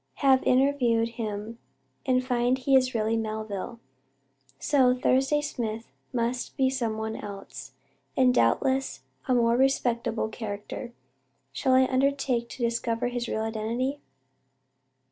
Have interviewed him and find he is really Melville, so Thursday Smith must be some one else, and doubtless a more respectable character. Shall I undertake to discover his real identity?"